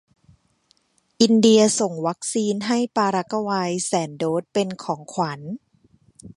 อินเดียส่งวัคซีนให้ปารากวัยแสนโดสเป็นของขวัญ